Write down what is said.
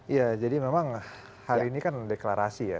iya jadi memang hari ini kan deklarasi ya